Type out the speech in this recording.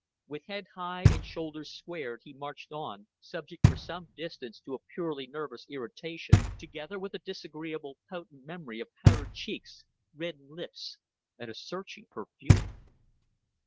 With head high and shoulders squared he marched on, subject for some distance to a purely nervous irritation, together with a disagreeably potent memory of powdered cheeks, reddened lips, and a searching perfume.